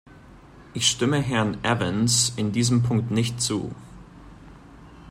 Ich stimme Herrn Evans in diesem Punkt nicht zu.